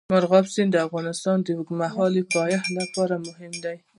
مورغاب سیند د افغانستان د اوږدمهاله پایښت لپاره مهم دی.